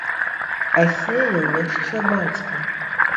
А сеяў яшчэ бацька.